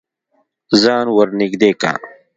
ځان ور نږدې که.